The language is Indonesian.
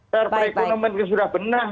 per economen sudah benar